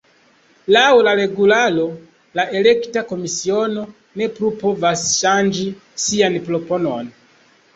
Laŭ la regularo, la elekta komisiono ne plu povas ŝanĝi sian proponon.